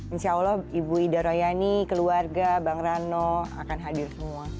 insya allah ibu ida royani keluarga bang rano akan hadir semua